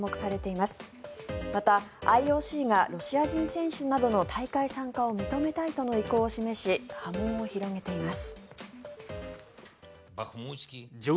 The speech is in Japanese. また、ＩＯＣがロシア人選手などの大会参加を認めたいとの意向を示し波紋を広げています。